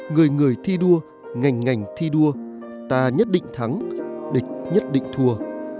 người người thi đua ngành ngành ngành thi đua ta nhất định thắng địch nhất định thua